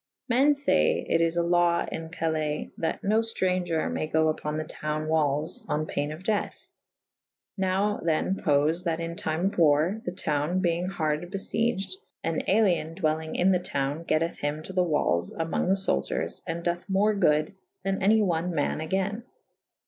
Men fay it is a law in Caleys that no Itraunger may go vppon the towne walles on payne of dethe. Now then pofe that in tyme of warre the towne beynge harde beiieged / an alien dwellynge in the towne getteth hyin to the walles amonge the Ibuldiers /& doth more good than any one ma« agayn.